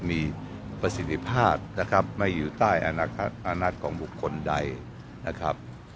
มีประสิทธิภาพนะครับไม่อยู่ใต้อานัทของบุคคลใดนะครับ